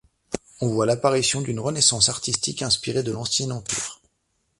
On voit l'apparition d'une renaissance artistique inspirée de l'Ancien Empire.